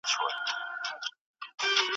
کله ټال کي د خیالونو زنګېدلای